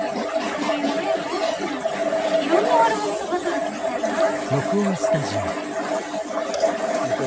クルミも早く大きくなっていろんな悪者とバトルがしたいなぁ」。